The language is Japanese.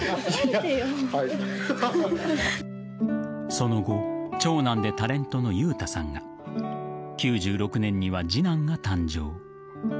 その後長男でタレントの裕太さんが９６年には次男が誕生。